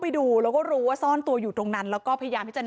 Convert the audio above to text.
ก็เลยรู้ว่าคนร้ายซ่อนตัวอยู่ตรงนั้นแล้วก็จับคนร้ายเอาไว้ได้ค่ะ